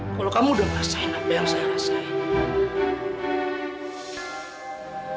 kalau kamu udah ngerasain apa yang saya rasain